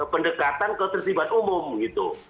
pendekatan ketertiban umum gitu